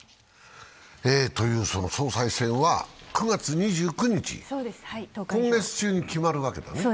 その総裁選は９月２９日、今月中に決まるわけだね。